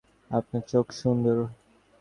নিসার আলি তৎক্ষণাৎ বললেন, আপনার চোখ সুন্দর।